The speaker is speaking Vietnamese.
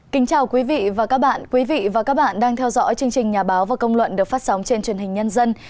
kính chào quý vị và các bạn quý vị và các bạn đang theo dõi chương trình nhà báo và công luận được phát sóng trên truyền hình nhân dân